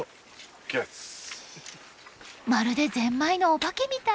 まるでゼンマイのお化けみたい。